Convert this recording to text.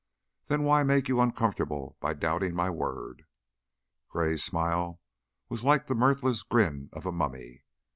Then why make you uncomfortable by doubting my word?" Gray's smile was like the mirthless grin of a mummy.